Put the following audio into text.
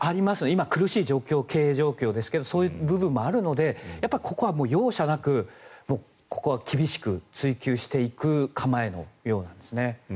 今、苦しい経営状況ですけどそういう部分もあるのでここは容赦なくここは厳しく追及していく構えのようなんですね。